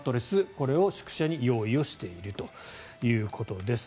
これを宿舎に用意しているということです。